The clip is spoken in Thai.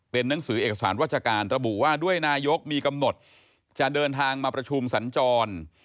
เป็นหนังสือเอกสารวัชการระบุว่าด้วยนายกมีกำหนดจะเดินทางมาประชุมสัญจร